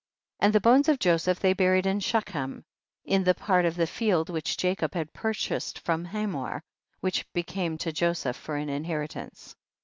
45. And the bones of Joseph they buried in Shechem, in the part of the field which Jacob had purchased from Hamor, and which became to Joseph for an inheritance.